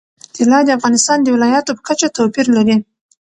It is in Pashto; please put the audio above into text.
طلا د افغانستان د ولایاتو په کچه توپیر لري.